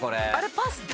パスタ。